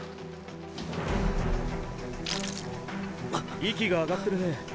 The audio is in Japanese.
息が上がってるね。